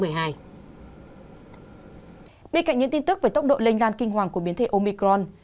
bên cạnh những tin tức về tốc độ lây lan kinh hoàng của biến thể omicron